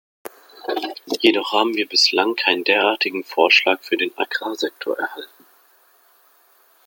Jedoch haben wir bislang keinen derartigen Vorschlag für den Agrarsektor erhalten.